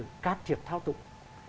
là cán thiệp thao túng